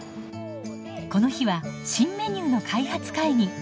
この日は新メニューの開発会議。